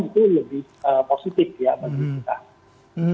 itu lebih positif ya bagi kita